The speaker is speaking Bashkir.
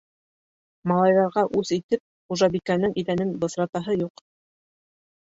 Малайҙарға үс итеп, хужабикәнең иҙәнен бысратаһы юҡ.